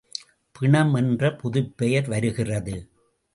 பிணம் என்ற புதுப்பெயர் வருகிறது.